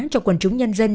cho quần chúng nhân dân